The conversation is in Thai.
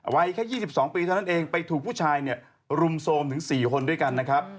วัยแค่๒๒ปีเท่านั้นเองไปถูกผู้ชายเนี่ยรุมโทรมถึง๔คนด้วยกันนะครับ